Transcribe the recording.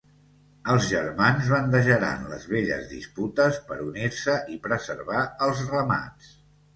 Els germans bandejaran les velles disputes per unir-se i preservar els ramats.